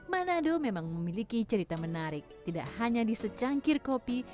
manado memang memiliki cerita menarik tidak hanya di secangkir kopi